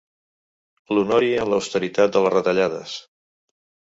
L'honori en l'austeritat de les retallades.